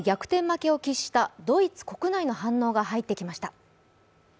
負けを喫したドイツ国内の反応が入ってきました。